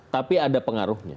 tapi ada pengaruhnya